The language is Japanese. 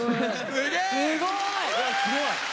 すごい！